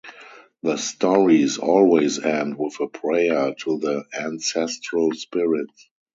The stories always end with a prayer to the ancestral spirits.